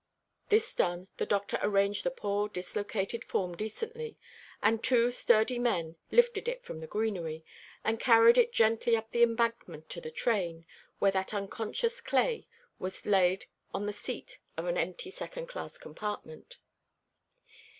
This done, the doctor arranged the poor dislocated form decently, and two sturdy men lifted it from the greenery, and carried it gently up the embankment to the train, where that unconscious clay was laid on the seat of an empty second class compartment.